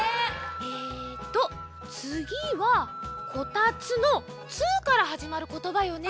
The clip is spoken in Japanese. えっとつぎは「こたつ」の「つ」からはじまることばよね。